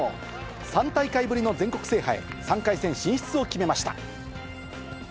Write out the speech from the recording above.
３大会ぶりの全国制覇へ３回戦進出を決めました。